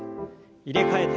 入れ替えて。